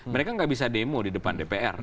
mereka nggak bisa demo di depan dpr